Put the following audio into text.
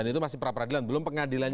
dan itu masih perapradilan belum pengadilannya